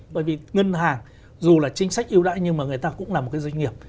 bởi vì ngân hàng dù là chính sách yêu đãi nhưng mà người ta cũng là một cái doanh nghiệp